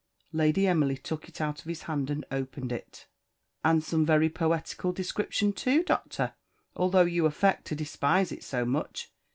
Lady Emily took it out of his hand and opened it. "And some very poetical description, too, Doctor; although you affect to despise it so much.